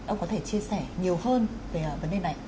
ông có thể chia sẻ nhiều hơn về vấn đề này